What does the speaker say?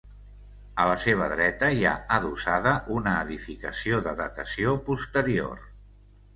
A la seva dreta hi ha adossada una edificació de datació posterior.